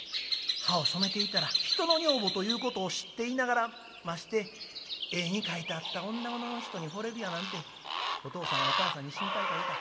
歯を染めていたら人の女房ということを知っていながらまして絵に描いてあったおなごの人に惚れるやなんてお父さんお母さんに心配かけた。